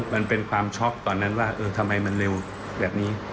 มันเป็นความช็อกตอนนั้นว่าเออทำไมมันเร็วแบบนี้